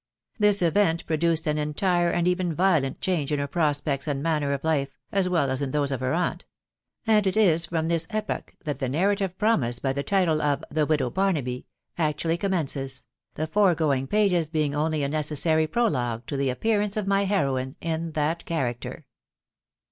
This event produced an entire and even violent change in her prospects and manner of life, as well as in those of her aunt ; and it is from this epoch that the narrative pro mised by the title of ts The Widow Barnaby" actually com mences, the foregoing pages being only a necessary prologue to the appearance of my heroine in that character.